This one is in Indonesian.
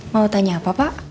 mau tanya apa pak